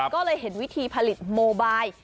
ก็เลยเห็นวิธีผลิตโมบาย